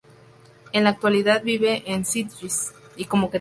En la actualidad vive en Sitges.